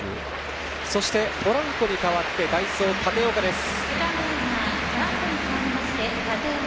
そしてポランコに代わって代走、立岡です。